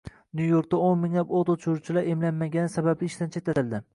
Nyu-Yorkda minglab o‘t o‘chiruvchilar emlanmagani sababli ishdan chetlatildi